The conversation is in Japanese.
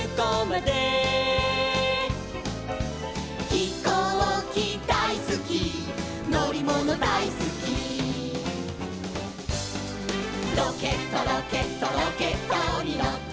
「ひこうきだいすきのりものだいすき」「ロケットロケットロケットにのって」